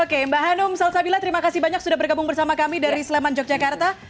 oke mbak hanum salsabila terima kasih banyak sudah bergabung bersama kami dari sleman yogyakarta